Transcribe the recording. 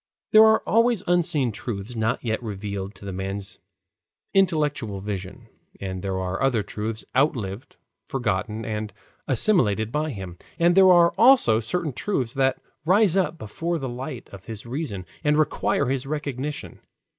There are always unseen truths not yet revealed to the man's intellectual vision, and there are other truths outlived, forgotten, and assimilated by him, and there are also certain truths that rise up before the light of his reason and require his recognition.